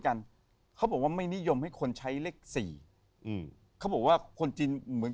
กันเขาบอกว่าไม่นิยมให้คนใช้เลขสี่อืมเขาบอกว่าคนจีนเหมือน